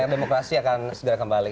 demokrasi akan segera kembali